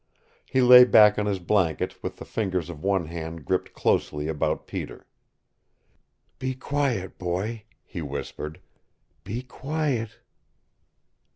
He lay back on his blanket, with the fingers of one hand gripped closely about Peter. "Be quiet, boy," he whispered. "Be quiet."